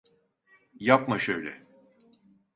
Yapma şöyle.